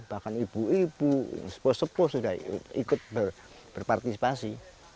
bahkan ibu ibu sepoh sepoh sudah ikut berpartisipasi